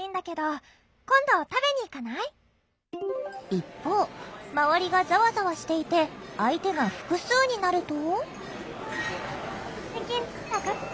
一方周りがザワザワしていて相手が複数になると。